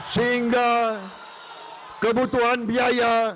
sehingga kebutuhan biaya